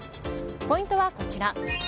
ポイントはこちら。